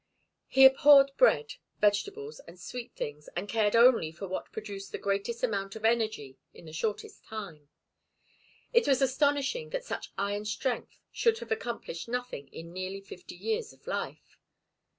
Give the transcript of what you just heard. He abhorred bread, vegetables, and sweet things, and cared only for what produced the greatest amount of energy in the shortest time. It was astonishing that such iron strength should have accomplished nothing in nearly fifty years of life.